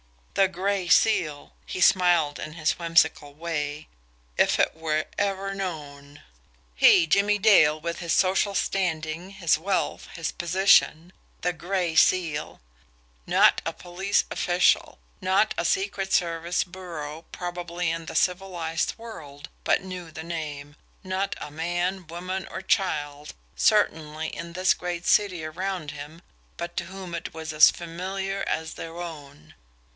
The Gray Seal! He smiled in his whimsical way. If it were ever known! He, Jimmie Dale, with his social standing, his wealth, his position the Gray Seal! Not a police official, not a secret service bureau probably in the civilised world, but knew the name not a man, woman, or child certainly in this great city around him but to whom it was as familiar as their own!